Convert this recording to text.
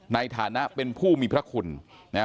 ในฐานะเป็นผู้มีพระคุณนะครับ